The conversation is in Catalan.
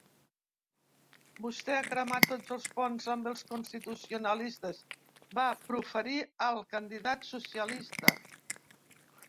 Vostè ha cremat tots els ponts amb els constitucionalistes, va proferir al candidat socialista.